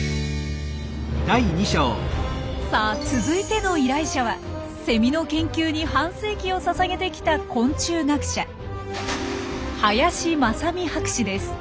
さあ続いての依頼者はセミの研究に半世紀をささげてきた昆虫学者林正美博士です。